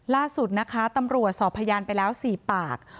ล่าสุดนะคะตำรวจสอบพยานไปแล้ว๔ปาก